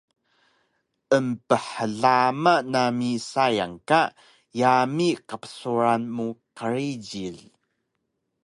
Emphlama nami sayang ka yami qbsuran mu qrijil